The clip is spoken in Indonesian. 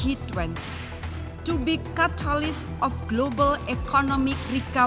untuk menjadi katalis pemulihan ekonomi global